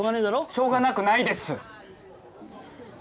しょうがなくないです！